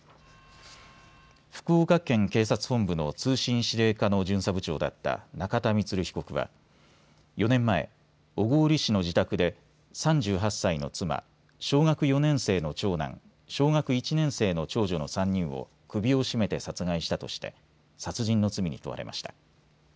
福岡県警察本部の通信指令課の巡査部長だった中田充被告は４年前、小郡市の自宅で３８歳の妻、小学４年生の長男、小学１年生の長女の３人を首を絞めて殺害したとして殺人の罪に問われました。